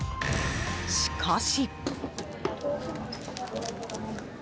しかし。